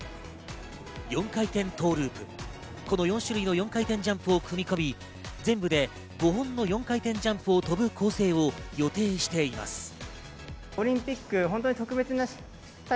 ４回転トーループ、この４種類の４回転ジャンプを組み込み、全部で５本の４回転ジャンプを跳ぶ構成を予定しています。